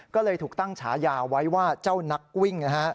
ก็เลยถูกตั้งฉายาไว้ว่าเจ้านักวิ่งนะฮะ